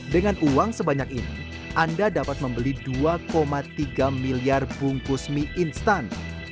dengan uang sebanyak ini anda dapat membeli dua tiga miliar bungkus mie instan